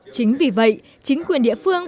chính vì vậy chính quyền địa phương